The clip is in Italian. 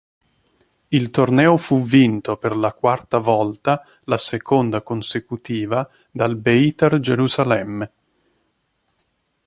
Il torneo fu vinto, per la quarta volta, la seconda consecutiva, dal Beitar Gerusalemme.